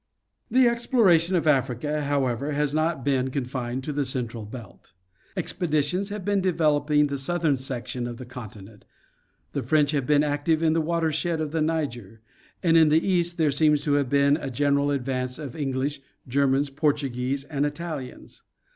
The exploration of Africa, however, has not been confined to the central belt. Expeditions have been developing the southern section of the continent ; the French have been active in the watershed of the Niger, and in the east there seems to have been a general advance of English, Germans, Portuguese and Italians.